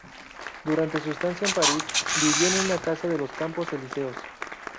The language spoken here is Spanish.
Durante su estancia en París, vivió en una casa de los Campos Elíseos.